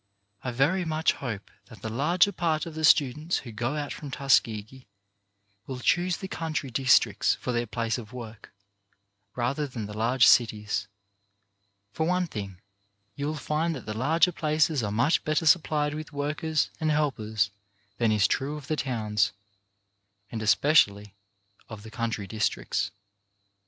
I very much hope that the larger part of the students who go out from Tuskegee will choose the country districts for their place of work, rather than the large cities. For one thing, you will find that the larger places are much better supplied with workers and helpers than is true of the towns, and especially of the country districts.